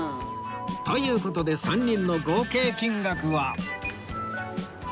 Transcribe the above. という事で３人の合計金額は？